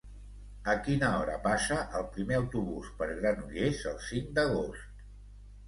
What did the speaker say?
A quina hora passa el primer autobús per Granollers el cinc d'agost?